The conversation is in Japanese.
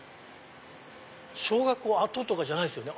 小学校跡とかじゃないですよね？